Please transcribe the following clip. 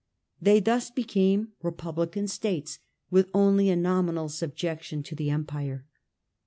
They thus became republican states with only a nominal subjection to the Empire.